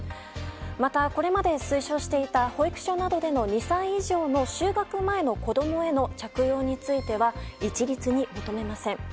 また、これまで推奨していた保育所などでの２歳以上の就学前の子供への着用については一律に求めません。